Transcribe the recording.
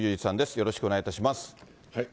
よろしくお願いします。